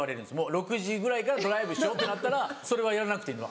６時ぐらいからドライブしようってなったらそれはやらなくていいの？